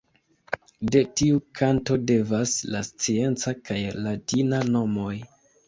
De tiu kanto devenas la scienca kaj latina nomoj.